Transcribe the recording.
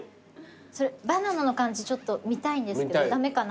それバナナの感じ見たいんですけど駄目かな？